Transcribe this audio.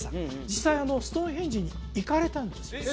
実際あのストーンヘンジに行かれたんですよね